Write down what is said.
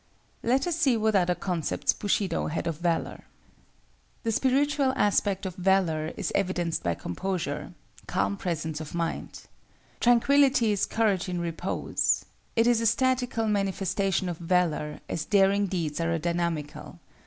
Let us see what other concepts Bushido had of Valor. The spiritual aspect of valor is evidenced by composure—calm presence of mind. Tranquillity is courage in repose. It is a statical manifestation of valor, as daring deeds are a dynamical.